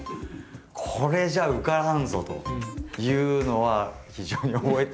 これじゃ受からんぞというのは非常に覚えてるんですけど。